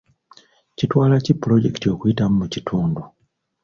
Kitwala ki pulojekiti okuyitamu mu kitundu?